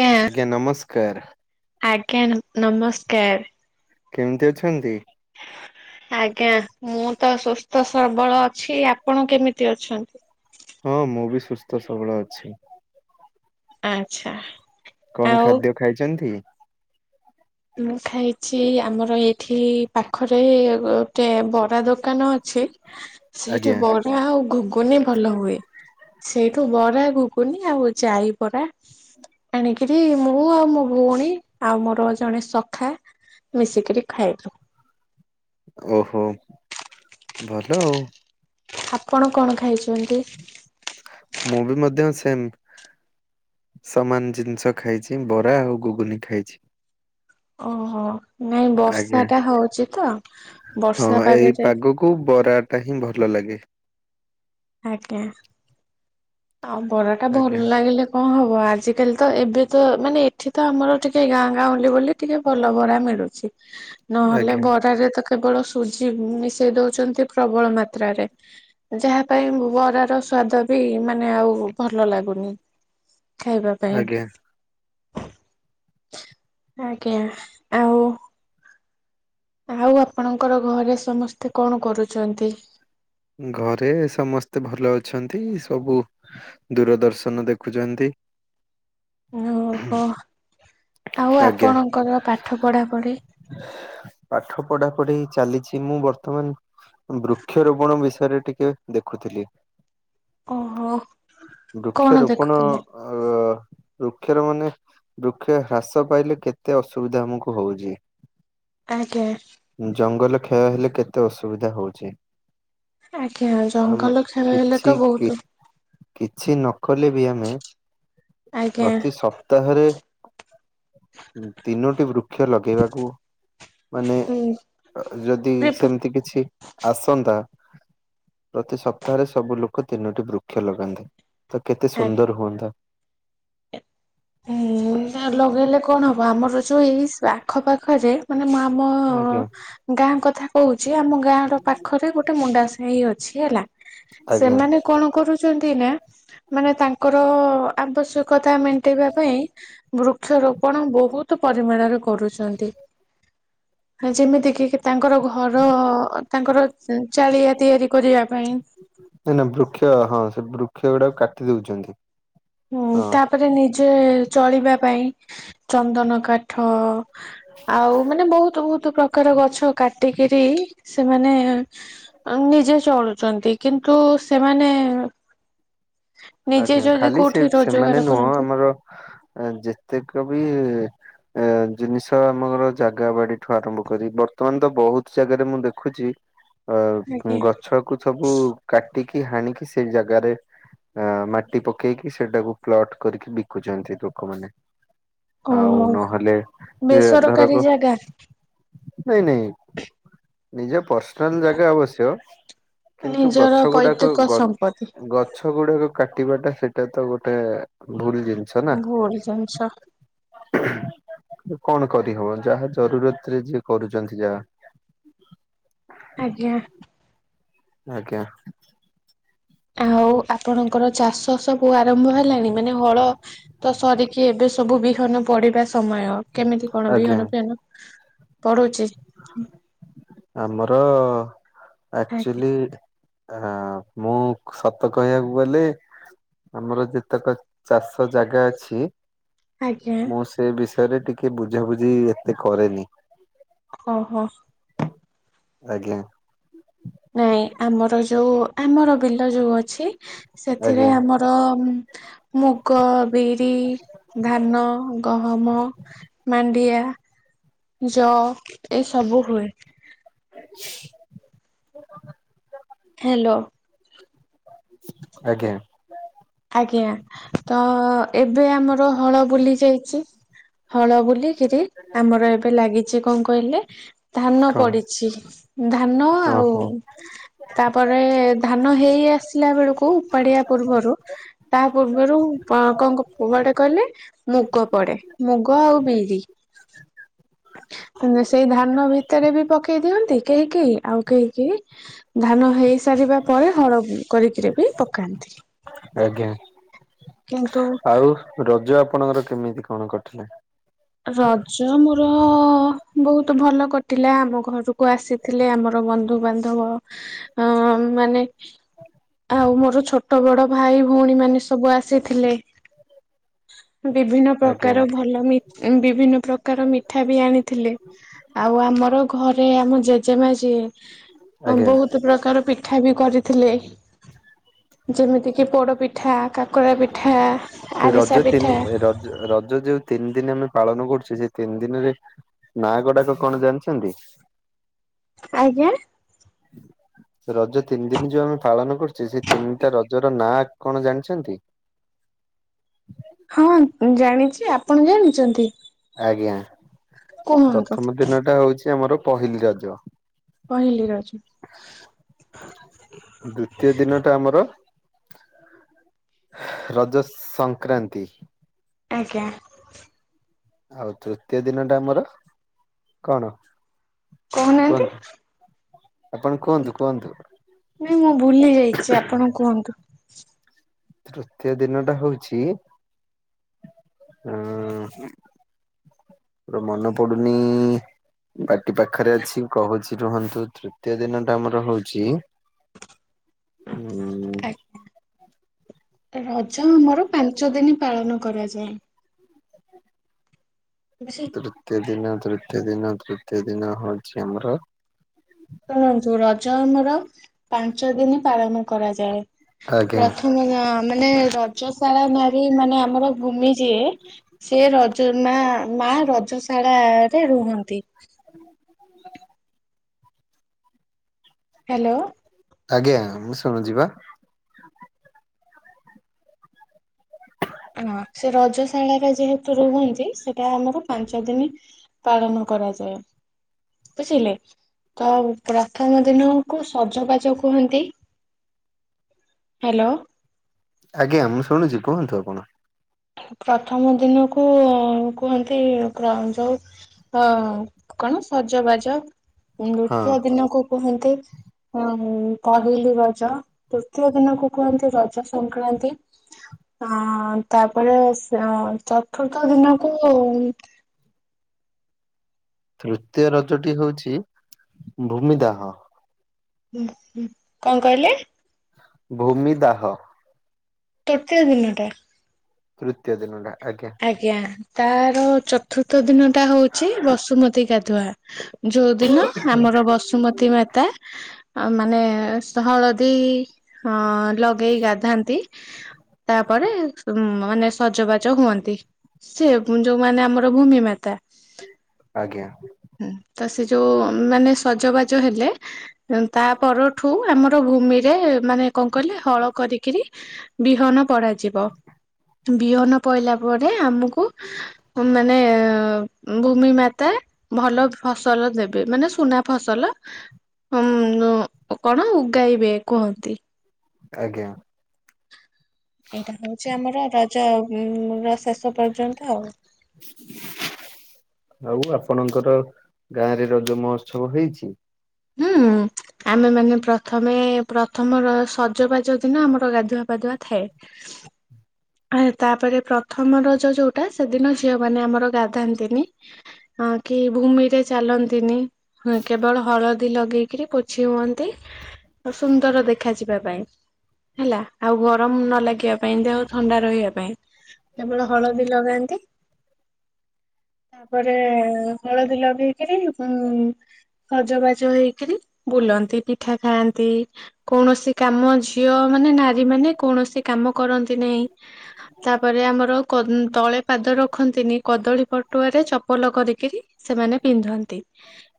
ଆଜ୍ଞା ନମସ୍କାର। ଆଜ୍ଞା ନମସ୍କାର। କେମିତି ଅଛନ୍ତି? ଆଜ୍ଞା ମୁଁ ତ ସୁସ୍ଥ ସବଳ ଅଛି ଆପଣ? ଆପଣ କେମିତି ଅଛନ୍ତି? ହଁ ମୁଁ ବି ସୁସ୍ଥ ସବଳ ଅଛି। ଆଚ୍ଛା। କଣ ଆଉ ଖାଦ୍ୟ ଖାଇଛନ୍ତି? ମୁଁ ଖାଇଛି ଆମର ଏଇଠି ପାଖରେ ଗୋଟେ ବରା ବରା ଦୋକାନ ଅଛି ସେଇଠି ଆଜ୍ଞା ବରା ଆଉ ଘୁଗୁନି ଭଲ ହୁଏ। ସେଇଠୁ ବରା ଘୁଗୁନି ଆଉ ଯାଇ ବରା ଆଣିକିରି ମୁଁ ଆଉ ମୋ ଭଉଣୀ ଆଉ ମୋର ସଖା। ମିଶିକରି ଖାଇଲୁ। ଓହୋ ଭଲ ଆଉ। ଆପଣ କଣ ଖାଇଛନ୍ତି? ମୁଁ ବି ମଧ୍ୟ ସେମ ସମାନ ଜିନିଷ ଖାଇଛି ବରା ଆଉ ଘୁଗୁନି ଖାଇଛି। ଓହୋ। ନାଇଁ ବର୍ଷା ଆଜ୍ଞା ଟା ହଉଛି ତ ବର୍ଷା ହଁ ଏଇ ପାଗରେ ପାଗକୁ ବରାଟା ହିଁ ଭଲ ଲାଗେ। ଆଜ୍ଞା। ଆଉ ବରା ଟା ଆଜ୍ଞା ଭଲ ଲାଗିଲେ କଣ ହବ? ହ ଆଜିକାଲି ତ ଏବେ ତ ମାନେ ଏଠି ତ ଆମର ଟିକେ ଗାଁ ଗାଁ ବୋଲି ଟିକେ ଭଲ ବରା ମିଳୁଛି। ନହେଲେ ଆଜ୍ଞା ବରାରେ ତ କେବଳ ସୁଜି ମିଶେଇ ଦଉଛନ୍ତି ପ୍ରବଳ ମାତ୍ରାରେ ଯାହା ପାଇଁ ବରାର ସ୍ଵାଦ ବି ମାନେ ଆଉ ଭଲ ଲାଗୁନି। ଖାଇବା ପାଇଁ। ଆଜ୍ଞା ଆଜ୍ଞା ଆଉ। ଆଉ ଆପଣଙ୍କର ଘରେ ସମସ୍ତେ କଣ କରୁଛନ୍ତି? ଘରେ ସମସ୍ତେ ଭଲ ଅଛନ୍ତି ସବୁ ଦୂରଦର୍ଶନ ଦେଖୁଛନ୍ତି। ଓହୋ ଆଉ ଆଜ୍ଞା। ଆପଣଙ୍କର ପାଠ ପଢାପଢି? ପାଠ ପଢା ପଢି ଚାଲିଛି ମୁଁ ବର୍ତ୍ତମାନ ବୃକ୍ଷର ରୋପଣ ବିଷୟରେ ଟିକେ ଦେଖୁଥିଲି। ଓହୋ କଣ ବୃକ୍ଷରୋପଣ ଦେଖୁଥିଲେ? ଅ ବୃକ୍ଷର ମାନେ ବୃକ୍ଷ ହ୍ରାସ ପାଇଲେ କେତେ ଅସୁବିଧା ଆମକୁ ହଉଛି। ଆଜ୍ଞା ଜଙ୍ଗଲ କ୍ଷୟ ହେଲେ କେତେ ଅସୁବିଧା ହଉଛି। ଆଜ୍ଞା ଆମ ଜଙ୍ଗଲ ଖେଳ ହେଲେ କିଛି ତ କି ବହୁତ କିଛି ନ କଲେ ବି ଆମେ ଆଜ୍ଞା ପ୍ରତି ସପ୍ତାହରେ ତିନୋଟି ବୃକ୍ଷ ଲଗେଇବାକୁ ମାନେ ହୁଁ ଯଦି ପ୍ରିପ ସେମିତି କିଛି। ଆସନ୍ତା। ପ୍ରତି ସପ୍ତାହରେ ସବୁ ଲୋକ ତିନୋଟି ବୃକ୍ଷ ଲଗାନ୍ତେ। ତ କେତେ ଆଜ୍ଞା। ସୁନ୍ଦର ହୁଅନ୍ତା। ହୁଁ ଲଗେଇଲେ କଣ ହବ? ଆ ଆମର ଯେଉଁ ଏଇ ଆଖପାଖରେ ମା ମାନେ ମୁଁ ଆଜ୍ଞା ଆମ ଗାଁ କଥା କହୁଛି, ଆମ ଗାଁ ର ପାଖରେ ଗୋଟେ ମୁଣ୍ଡା ସାହି ଅଛି ହେଲା, ଆଜ୍ଞା। ସେମାନେ କଣ କରୁଛନ୍ତି। ଛନ୍ତି ନା ମାନେ ତାଙ୍କର ଆବଶ୍ୟକତା ମ ମେଣ୍ଟେଇବା ପାଇଁ ବୃକ୍ଷରୋପଣ ବହୁତ ପରିମାଣରେ କରୁଛନ୍ତି, ଯେମିତିକି ତାଙ୍କର ଘର ତାଙ୍କର ଚାଳିଆ ତିଆରି କରିବା ପାଇଁ। ନାଇ ନା ବୃକ୍ଷ ହଁ ସେ ବୃକ୍ଷ ଗୁଡାକୁ କାଟି ଦଉଛନ୍ତି। ହୁଁ ହଁ ତାପରେ ନି ଯେ ଚଳିବା ପାଇଁ ଚନ୍ଦନ କାଠ। ଆଉ ମାନେ ବହୁତ ବହୁତ ପ୍ରକାର ଗଛ କାଟିକିରି। ସେମାନେ ନିଜେ ଚଳୁଛନ୍ତି, କିନ୍ତୁ ସେମାନେ। ନିଜେ ଆଜ୍ଞା ଯଦି ଖାଲି ଶ୍ ସେ କୋଉଠି ସେମାନେ ରୋଜଗାର ନୁହଁ କରନ୍ତି ଆମର ଯେତେକ ବି ଇ-ଏ-ଏ ଜିନିଷ ଆମର ଜାଗା ବାଡିଠୁ ଆରମ୍ଭ କରି ବର୍ତ୍ତମାନ ତ ବହୁତ ଜାଗାରେ ମୁଁ ଦେଖୁଛି। ଅ ଆଜ୍ଞା ଗଛ କୁ ସବୁ କାଟିି କି ହାଣ କିି ସେଇ ଜାଗାରେ। ଅ ମାଟି ପକେଇକି ସେଟାକୁ ପ୍ଲଟ କରିକି ବିକୁଛନ୍ତି ଲୋକମାନେ। ଓ ଆଉ ନହେଲେ ଯେ ଧରକ ବେସରକାରୀ ଜାଗା। ନାଇଁ ନାଇଁ ନିଜ ପର୍ସ ଜାଗା ଆବଶ୍ୟକ, କିନ୍ତୁ ନିଜର ଗଛ ଗୁଡାକ ପୈତୃକ ସମ୍ପତ୍ତି ଗଛ ଗୁଡାକ। କାଟିବାଟା ସେଇଟା ତ ଗୋଟେ ଭୁଲ। ଜିନିଷ ନା ଭୁଲ ଜିନିଷ। କଣ କରିହବ ଯାହା ଜରୁରତ ରେ ଯିଏ କରୁଛନ୍ତି ଯାହା। ଆଜ୍ଞା। ଆଜ୍ଞା ଆଉ ଆପଣଙ୍କର ଚାଷ ସବୁ ଆରମ୍ଭ ହେଲାଣି ମାନେ ହଳ ତ ସରିକି ଏବେ ସବୁ ବି ନ ପିବା [unintelligible] ସମୟ କେମିତି କଣ ଆଜ୍ଞା ବିହନ ଫିହନ ପଡୁଛି ହଁ ଆମର ଆଜ୍ଞା ଆକ୍ଚୁଲି ହ ମୁଁ ସତ କହିବାକୁ ଗଲେ ଆମର ଯେତେକ ଚାଷୀ ଜାଗା ଅଛି ଆଜ୍ଞା ମୁଁ ସେ ବିଷୟରେ ଟିକେ କି ବୁଝାବୁଝି ଏତେ କରେନି ଓ ହୋ ଆଜ୍ଞା ନାଇଁ ଆମର ଯୋଉ ଆମର ବିଲ ଯେଉଁ ଅଛି ଆଜ୍ଞା ସେଥିରେ ଆମର ମୁଗ ବି ଧାନ ଗହମ ମା ପଡ଼ିଆ [unintelligible] ଜ ଏଇସବୁ ହୁଏ ହ୍ୟାଲୋ ଆଜ୍ଞା ଆଜ୍ଞା ତ ଏବେ ଆମର ହଳ ବୁଲି ଯାଇଛି ଯେ ହଳ ବୁଲିକିରି ଆମର ଏବେ ଲାଗିଛି କଣ କ କହିଲେ ଧାନ କଣ ପଡିଛି ଧାନ ହଁ ଆଉ ହଁ। ତାପରେ ଧାନ ହେଇ ଆସିଲା ବେଳକୁ ଉପାଡିଆ ପୂର୍ବରୁ ତା ପୂର୍ବରୁ ଡେ କହିଲେ ମୁଗ ପଡେ ମୁଗ ଆଉ ବିରି ସେଇ ଧାନ ଭିତରେ ବି ପକେଇ ଦିଅନ୍ତି କେହି କେହି ଆଉ କେହି କେହି ଧାନ ହେଇ ସା ସାରିବା ପରେ ହଳ କରିକିରି ବି ପକାନ୍ତି ଆଜ୍ଞା କିନ୍ତୁ ଆଉ ରଜ ଆପଣଙ୍କର କେମିତି କଣ କଟିଲା ରଜ ମୋର ହ ବହୁତ ଭଲ କଟିଲା। ଆମ ଘରକୁ ଆସିଥିଲେ। ଆମର ବନ୍ଧୁ ବାନ୍ଧବ ଅ ମାନେ ଆଉ ମୋର ଛୋଟ ବଡ ଭାଇ ଭଉଣୀ ମାନେ ସବୁ ଆସିଥିଲେ। ବିଭିନ୍ନ ଆଜ୍ଞା ପ୍ରକାର ଭଲ ମି ଏ ବିଭିନ୍ନ ପ୍ରକାର ମିଠା ବି ଆଣିଥିଲେ। ଆଉ ଆମର ଘରେ ଆମ ଜେଜେମା ଯିଏ ଆଜ୍ଞା ବହୁତ ପ୍ରକାର ପିଠ ଠା ବି କରିଥିଲେ ଯେମିତି କିି ପୋଡ ପିଠା। କାକରା ପିଠା, ଆରିସା ରଜ ପିଠା। ତିନି ରଜ ରଜ ଯୋଉ ତିନି ଦିନ ଆମେ ପାଳନ କରୁଛି, ସେ ତିନି ଦିନରେ ନା ଗଡାକ କଣ ଜାଣିଛନ୍ତି। ଆଜ୍ଞା। ରଜ ତିନି ଦିନ ଯୋଉ ଆମେ ପାଳନ କରୁଛେ। ସେ ତିନିଟା ରଜ ର ନାଁ କଣ ଜାଣିଛନ୍ତି। ହଁ ଜାଣିଛି ଆପଣ ଜାଣିଛନ୍ତି। ଆଜ୍ଞା। କୁହନ୍ତୁ ପ୍ରଥମ ଦିନ ଟା ହଉଛି ଆମର। ପହିଲି ରଜ। ପହିଲି ରଜ। [inaudible] ଦ୍ଵିତୀୟ ଦିନ ଟା ଆମର। [inaudible] ରଜ ସଂକ୍ରାନ୍ତି। ଆଜ୍ଞା। ଆଉ ତୃତୀୟ ଦିନ ଟା ଆମର କଣ? କହୁନାହାନ୍ତି? କୁହନ୍ତୁ। [inaudible] କୁହନ୍ତୁ କୁହନ୍ତୁ? ନାଇଁ ମୁଁ ଭୁଲି ଯାଇଛି ଆପଣ କୁହନ୍ତୁ। [inaudible] ତୃତୀୟ ଦିନ ଟା ହଉଛି। ଆ ପୁର ମନେ ପଡୁନି। ବାଟି ପାଖରେ ଅଛି କହୁଛି। ରୁହନ୍ତୁ ତୃତୀୟ ଦିନ ଟା ଆମର ହଉଛି। ହୁଁ। ଆଜ୍ଞା ରଜ ଆମର ପାଞ୍ଚ ଦିନ ପାଳନ କରାଯାଏ। ସେ ତୃତୀୟ ଦିନ ତୃତ ତିୟ ଦିନ ତୃତୀୟ ଦିନ ହଉଛି ଆମର। ଶୁଣନ୍ତୁ ରଜ ଆମର ପାଞ୍ଚ ଦିନି ପାଳନ କରାଯାଏ। ଆଜ୍ଞା ପ୍ରଥମ ଆ ମାନେ ରଜଶାଳା ନାରୀ। ମାନେ ଆମର ଭୂମି ଯିଏ ସେ ରଜ ମା ମା ରଜଶାଳା ରେ ରୁହନ୍ତି। ହ୍ୟାଲୋ ଆଜ୍ଞା ମୁଁ ଶୁଣୁଛି ବା। [inaudible] ହଁ ସେ ରଜଶାଳା ରେ ଯେହେତୁ ରୁହନ୍ତି। ସେଟା ଆମର ପାଞ୍ଚ ଦିନ ପାଳନ କରାଯାଏ ବୁଝିଲେ। ତା ଉପୁରା ପ୍ରଥମ ଦିନ ଙ୍କୁ ସଜବାଜ କୁହନ୍ତି। ହ୍ୟାଲୋ। ଆଜ୍ଞା ମୁଁ ଶୁଛି କୁହନ୍ତୁ ଆ କଣ? ପ୍ରଥମ ଦିନକୁ କୁହନ୍ତି ଯୋଉ ଅ କଣ ସଜବାଜ ହଁ ଦ୍ୱିତୀୟ ଦିନକୁ କୁହନ୍ତି। ଉଁ କହିଲି ରଜ ତୃତୀୟ ଦିନକୁ କୁହନ୍ତି ରଜ ସଂକ୍ରାନ୍ତି ଆ ତାପ ତାପରେ ଚତୁର୍ଥ ଦିନକୁ ତୃତୀୟ ରଜଟି ହଉଛି ଭୂମିଦାହ ହ ହ କଣ କହିଲେ? ଭୂମି ଦାହ କେତେ ଦିନ ଟା ତୃତିୟ ଦିନ ଟା ଆଜ୍ଞା। ତାର ଚ ଚତୁର୍ତ ଦିନ ଟା ହଉଛି ବସୁମତୀ ଗା ତ [unintelligible] ଯୋଉଦିନ ଆମର ବସୁମତୀ ମାତା ଆ ମାନେ ହଳଦୀ ଅ ଲଗେଇ ଗାଧାନ୍ତି ତାପରେ ଉ ମାନେ ସଜବାଜ ହୁଅନ୍ତି। ଦେଖ [unintelligible] ସେ ଯୋଉମାନୋ ଆମର ଭୂମି ମାତା ଆଜ୍ଞା ହଁ ତ ସେ ଯୋଉ ମାନେ ସଜବାଜ ହେଲେ ତା ପରଠୁ ଆମର ଭୂମିରେ ମାନେ କଣ କହିଲେ ହଳ କରିକିରି ବିହନ ପଡାଯିବ ବିହନ ପଡଲା ପରେ ଆମକୁ କୁ ମାନେ ଭୂମି ମେତା ଭଲ ଫସଲ ଦେବେ ମାନେ ସୁନା ଫସଲ ହଁ କଣ ଉଗାଇବେ କୁହନ୍ତି? ଆଜ୍ଞା। ଏଇଟା ହଉଛି ଆମର ପ୍ରା ଉ [unintelligible] ଶେଷ ପର୍ଯ୍ୟନ୍ତ ଆଉ। ଆଉ ଆପଣଙ୍କର ଗାଁ ରେ ରଜ ମହୋତ୍ସବ ହେଇଛି। ହୁଁ ଆମେ ମାନେ ପ୍ରଥମେ ପ୍ରଥମର ସଜବାଜ ଦିନ ଆମର ଗାଧୁଆ ପାଧୁଆ ଥାଏ। ଆ ତାପରେ ପ୍ରଥମ ରଜ ଯୋଉଟା ସେଦିନ ଝିଅ ମାନ ଆମର ଗାଧାନ୍ତିନି କି ଭୂମିରେ ଚାଲନ୍ତିନି କେବଳ ହଳଦୀ ଲଗେଇକିରି ପୋଛି ହୁଅନ୍ତି। ସୁନ୍ଦର ଦେଖାଯ ଯିବ। ପାଇଁ ହେଲା। ଆଉ ଗରମ ନ ଲାଗିବା। [unintelligible] ଥଣ୍ଡା ରହିବା ପାଇଁ କେବଳ ହଳଦୀ ଲଗାନ୍ତି ତାପରେ ହଳଦୀ ଲଗେଇକିରି ଉ ସଜବାଜ ହେଇକିରି ବୁଲନ୍ତି ପିଠା ଖାଆନ୍ତି କୌଣସି କାମ ଝିଅ ମାନେ ନାରୀ ମାନେ କୌଣସି କାମ କରନ୍ତି ନାଇଁ ତାପରେ ଆମର କ ତଳେ ପାଦ ରଖନ୍ତିନି। କଦଳୀ ପଟୁଆରେ ଚପଲ କରିକିରି ସେମାନେ ପିନ୍ଧନ୍ତି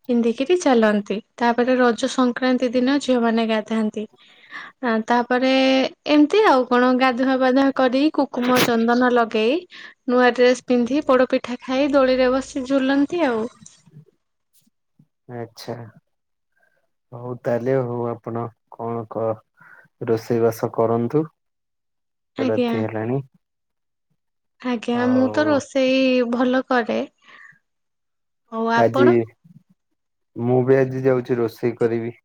ପିନ୍ଧିକିରି ଚାଲନ୍ତି ତାପରେ ରଜ ସଂକ୍ରାନ୍ତି ଦିନ ଝିଅମାନେ ଗାଧାନ୍ତି ତାପରେ ଏମିତି ଆଉ କଣ ଗା ଗାଧୁଆ ପାଧୁଆ କରି କୁକୁମ ଚନ୍ଦନ ଲଗେଇ ନୂଆ ଡ୍ରେସ ପିନ୍ଧି ପୋଡପିଠା ଖାଇ ଦୋଳିରେ ବସି ଝୁଲନ୍ତି ଆଉ। ଆଛା ହଉ ତାହେଲେ ହଉ ଆପଣ କଣ କ ରୋଷେଇ ବାସ କରନ୍ତୁ ଆଜ୍ଞା ରାତି ହେଲାଣି ଆଜ୍ଞା ମୁଁ ତ ଆଉ ରୋଷେଇ ଭଲ କରେ ଆଉ ଆଜି ଆପଣ? ମୁଁ ବି ଆଜି ଯାଉ ରୋଷେଇ କରିବି।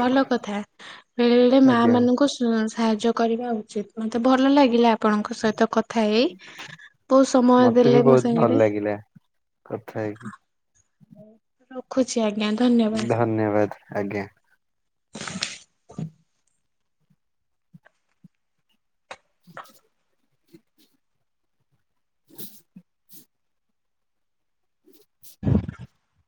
ଭଲ କଥା ବେଳେ ବେଳେ ମା ଆଜ୍ଞା ମାନଙ୍କୁ ସୁ ସାହାଯ୍ୟ କରିବା ଉଚିତ ମତେ ଭଲ ଲାଗିଲା ଆପଣଙ୍କ ସହିତ କ କଥା ହେଇ ବୋହୁତ ସମୟ ମତେ ବି ଦେଲେ ମୋ ବହୁତ ଭଲ ସାଙ୍ଗରେ ଲାଗିଲା କଥା ହେଇକି [unintelligible] ଧନ୍ୟବାଦ। ଧନ୍ୟବାଦ। ଆଜ୍ଞା। [inaudible] [inaudible] [inaudible]